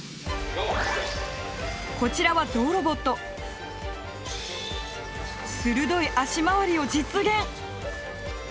こちらは鋭い足回りを実現！